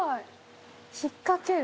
引っ掛ける。